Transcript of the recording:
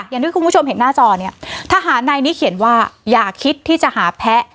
อย่างที่คุณผู้ชมเห็นหน้าจอเนี่ยทหารในนี้เขียนว่าอย่าคิดที่จะหาแพ้